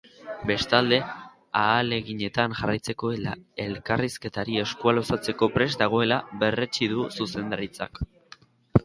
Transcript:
Bestalde, ahaleginetan jarraitzeko eta elkarrizketari eskua luzatzeko prest dagoela berretsi du zuzendaritzak.